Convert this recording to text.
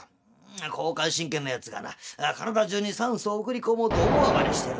「交感神経のやつがな体中に酸素を送り込もうと大暴れしてるんだ。